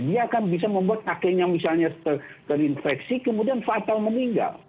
dia akan bisa membuat ake nya misalnya terinfeksi kemudian fatal meninggal